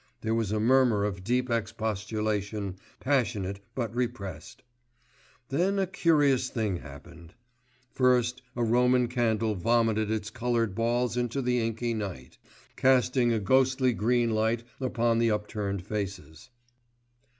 There was a murmur of deep expostulation, passionate but repressed. Then a curious thing happened. First a Roman candle vomited its coloured balls into the inky night, casting a ghostly green light upon the upturned faces.